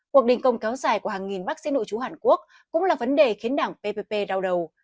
cuộc đình công kéo dài của hàng nghìn bác sĩ nội chú hàn quốc cũng là vấn đề khiến đảng ppp đau đầu